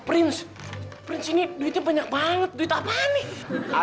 prins prins ini duitnya banyak banget duit apa nih